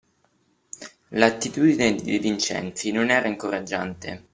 L'attitudine di De Vincenzi non era incoraggiante.